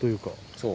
そう。